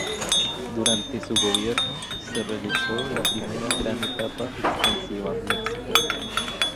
Durante su gobierno se realizó la primera gran etapa expansiva mexica.